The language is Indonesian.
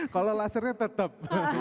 kalau lasernya tetap